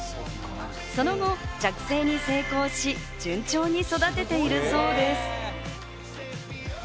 その後、着生に成功し順調に育てているそうです。